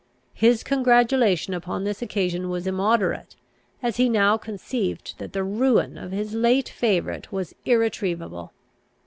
His congratulation upon this occasion was immoderate, as he now conceived that the ruin of his late favourite was irretrievable.